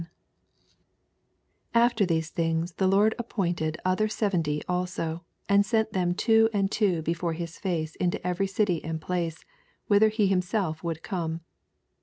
1 After these things the Lord ap pointed other seventy also^ and sent them two and two beiore his fitoe into every city and place, whither he him self would come.